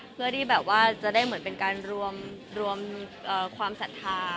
เพื่อที่จะได้เหมือนเป็นการรวมความศรรษฐา